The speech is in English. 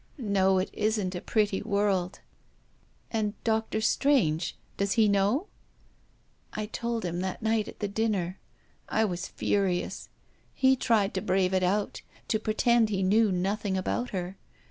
No, it isn't a pretty world !"" And Dr. Strange ? Does he know ?"" I told him that night at the dinner. I was furious. He tried to brave it out, to pretend he knew nothing about her.